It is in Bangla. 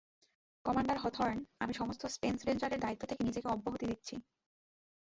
কমান্ডার হথর্ন, আমি সমস্ত স্পেস রেঞ্জারের দায়িত্ব থেকে নিজেকে অব্যাহতি দিচ্ছি।